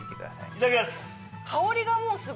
いただきます。